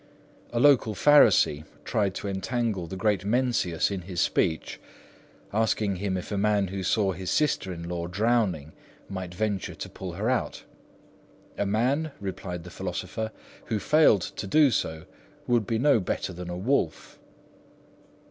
A local Pharisee tried to entangle the great Mencius in his speech, asking him if a man who saw his sister in law drowning might venture to pull her out. "A man," replied the philosopher, "who failed to do so, would be no better than a wolf."